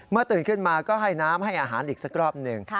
ตื่นขึ้นมาก็ให้น้ำให้อาหารอีกสักรอบหนึ่ง